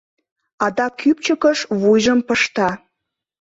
Адак кӱпчыкыш вуйжым пышта.